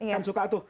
kan suka tuh